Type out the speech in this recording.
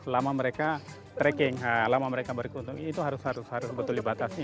lama mereka trekking lama mereka beruntung itu harus harus betul dibatasin